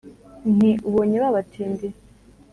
Nti: "Ubonye ba batindi,